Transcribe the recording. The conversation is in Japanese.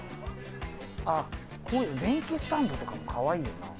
あっこういう電気スタンドとかもかわいいよな。